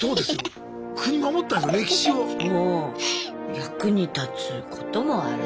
役に立つこともある。